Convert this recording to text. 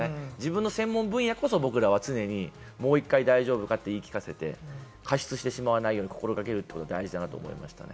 自分の専門分野こそ僕らは常にもう１回、大丈夫かと言い聞かせて、過失してしまわないように心掛けることが大事だと思いましたね。